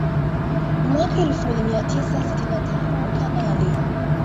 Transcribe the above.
Mwaka elfu moja mia tisa sitini na tano Kanali